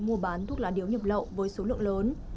mua bán thuốc lá điếu nhập lậu với số lượng lớn